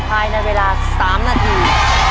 ภายในเวลา๓นาที